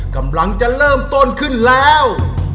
กำลังจะเริ่มต้นขึ้นแล้ว